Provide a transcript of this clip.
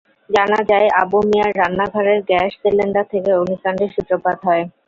জানা যায়, আবু মিয়ার রান্নাঘরের গ্যাস সিলিন্ডার থেকে অগ্নিকাণ্ডের সূত্রপাত হয়।